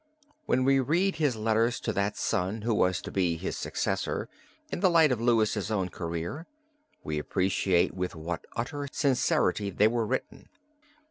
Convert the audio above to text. When we read his letters to that son who was to be his successor, in the light of Louis' own career, we appreciate with what utter sincerity they were written.